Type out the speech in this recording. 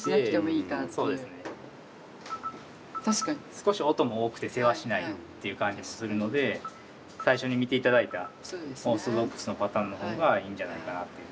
少し音も多くてせわしないっていう感じするので最初に見て頂いたオーソドックスのパターンのほうがいいんじゃないかなっていう。